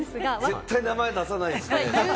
絶対、名前出さないですね。